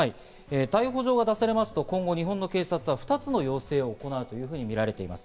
逮捕状が出されますと、今後、日本の警察は２つの要請を行うとみられています。